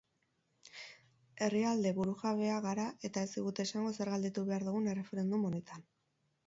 Herrialde burujabea gara eta ez digute esango zer galdetu behar dugun erreferendum honetan.